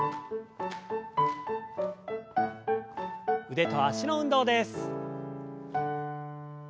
腕と脚の運動です。